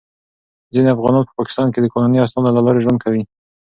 ځینې افغانان په پاکستان کې د قانوني اسنادو له لارې ژوند کوي.